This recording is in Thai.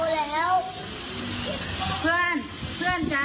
ไปต่อยเขาปากแตกเลือดไหลนะ